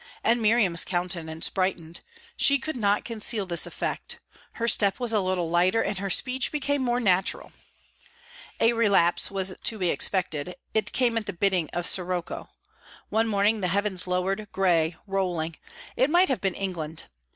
And Miriam's countenance brightened; she could not conceal this effect. Her step was a little lighter, and her speech became more natural. A relapse was to be expected; it came at the bidding of sirocco. One morning the heavens lowered, grey, rolling; it might have been England.